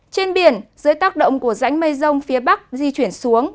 trên biển dưới tác động của rãnh mây rông phía bắc di chuyển xuống